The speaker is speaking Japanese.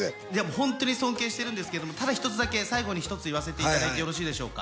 ホントに尊敬してるんですけどもただ一つだけ最後に１つ言わせていただいてよろしいでしょうか？